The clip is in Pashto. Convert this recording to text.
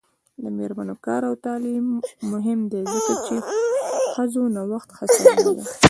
د میرمنو کار او تعلیم مهم دی ځکه چې ښځو نوښت هڅونه ده.